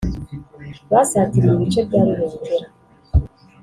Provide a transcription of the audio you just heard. Basatiriye ibice bya Rubengera